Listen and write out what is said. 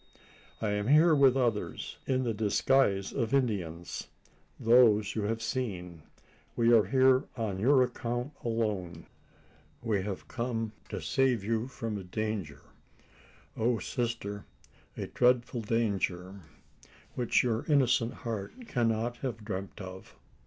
I am here with others in the disguise of Indians those you have seen. We are here on your account alone. We have come to save you from a danger O sister! a dreadful danger: which your innocent heart cannot have dreamt of!"